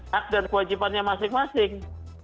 hak dan kewajibannya masing masing